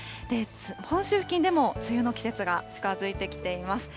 本州付近でも梅雨の季節が近づいてきています。